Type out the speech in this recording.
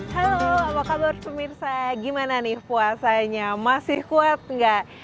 halo apa kabar pemirsa gimana nih puasanya masih kuat nggak